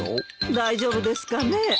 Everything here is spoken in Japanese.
大丈夫ですかね。